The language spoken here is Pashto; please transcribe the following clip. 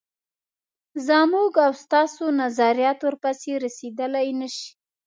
زموږ او ستاسو نظریات ورپسې رسېدلای نه شي.